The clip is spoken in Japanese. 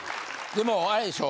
でもあれでしょ。